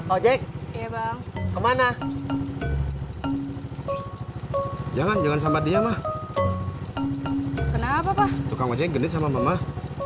ojek kemana jangan jangan sama dia mah kenapa mah